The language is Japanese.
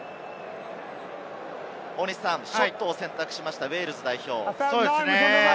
ショットを選択しました、ウェールズ代表。